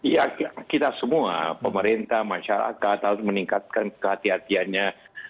ya kita semua pemerintah masyarakat harus meningkatkan kehatiannya